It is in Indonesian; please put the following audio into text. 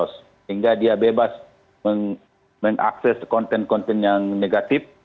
sehingga dia bebas mengakses konten konten yang negatif